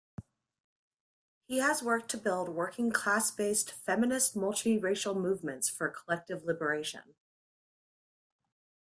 He has worked to build working class-based, feminist, multiracial movements for collective liberation.